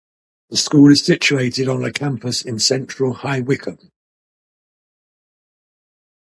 The school is situated on a campus in central High Wycombe.